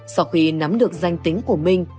sau khi nắm được danh tính của minh